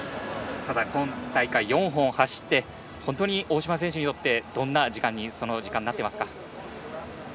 ただ今大会４本、走って本当に大島選手にとってどんな時間になっていますか？